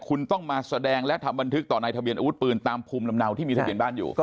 คุณต้องมาแสดงและทำบันทึกต่อในทะเบียนอาวุธปืนตามภูมิลำเนาที่มีทะเบียนบ้านอยู่